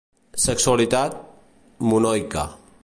Sexualitat: monoica.